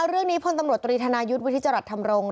เรื่องนี้พลตำรวจตรีธนายุทธ์วิทรัฐธรรมรงค์